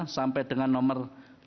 sampai dengan nomor lima puluh tiga